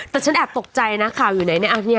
แต่ฉันแอบตกใจนะข่าวอยู่ไหนเนี่ย